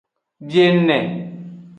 Biene.